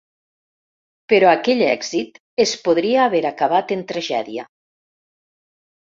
Però aquell èxit es podria haver acabat en tragèdia.